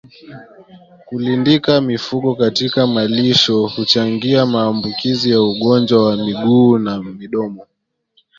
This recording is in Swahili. Kulindika mifugo katika malisho huchangia maambukizi ya ugonjwa wa miguu na midomo